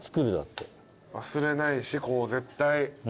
忘れないし絶対。